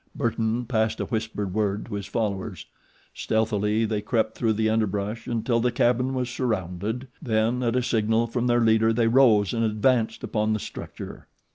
Burton passed a whispered word to his followers. Stealthily they crept through the underbrush until the cabin was surrounded; then, at a signal from their leader they rose and advanced upon the structure.